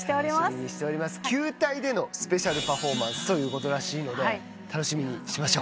球体でのスペシャルパフォーマンスということらしいので楽しみにしましょう。